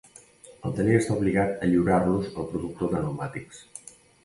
El taller està obligat a lliurar-los al productor de pneumàtics.